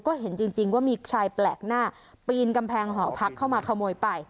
ก็เห็นจริงว่ามีชายแปลกหน้าปีนกำแพงหอพักเข้ามาขโมยไป